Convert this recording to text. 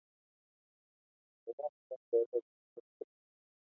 Kowaach ya koiro chorindet